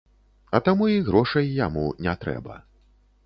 А таму і грошай яму не трэба.